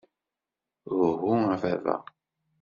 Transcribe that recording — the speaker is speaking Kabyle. Uhu a baba!